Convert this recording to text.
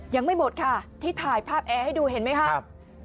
ยังไม่หมดค่ะที่ถ่ายภาพแอร์ให้ดูเห็นไหมครับ